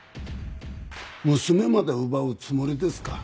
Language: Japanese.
娘まで奪うつもりですか？